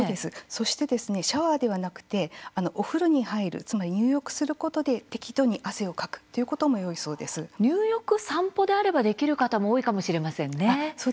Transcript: そして、シャワーではなくお風呂に入るつまり入浴することで適度に汗をかくということも入浴、散歩であればできる方も多いかもしれませんね。